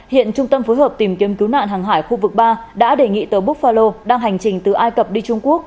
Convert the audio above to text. hiện trung tâm phối hợp tìm kiếm cứu nạn hàng hải khu vực ba đã đề nghị tàu buk pharo đang hành trình từ ai cập đi trung quốc